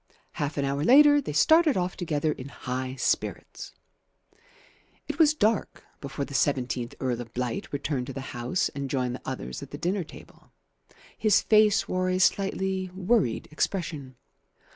Half an hour later they started off together in high spirits. It was dark before the seventeenth Earl of Blight returned to the house and joined the others at the dinner table. His face wore a slightly worried expression.